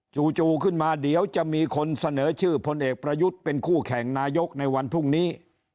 จู่ขึ้นมาเดี๋ยวจะมีคนเสนอชื่อพลเอกประยุทธ์เป็นคู่แข่งนายกในวันพรุ่งนี้